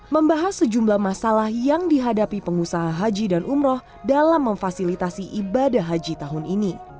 membahas sejumlah masalah yang dihadapi pengusaha haji dan umroh dalam memfasilitasi ibadah haji tahun ini